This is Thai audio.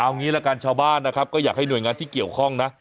เอางี้ละกันชาวบ้านนะครับก็อยากให้หน่วยงานที่เกี่ยวข้องนะ